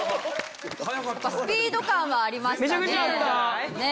スピード感はありましたね。